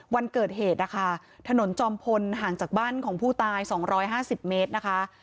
วันเกิดเหตุนะคะถนนจอมพลห่างจากบ้านของผู้ตาย๒๕๐เมตรนะคะ